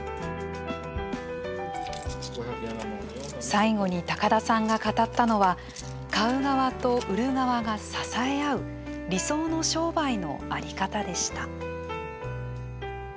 最後に高田さんが語ったのは買う側と売る側が支えあう理想の商売のあり方でした。